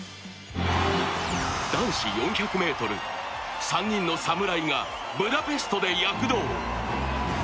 男子４００ｍ、３人の侍がブダペストで躍動。